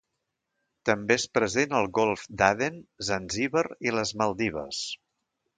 També és present al Golf d'Aden, Zanzíbar i les Maldives.